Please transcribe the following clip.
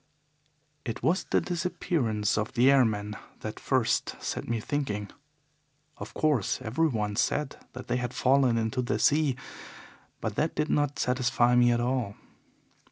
"It was the disappearance of the airmen that first set me thinking. Of course, everyone said that they had fallen into the sea, but that did not satisfy me at all.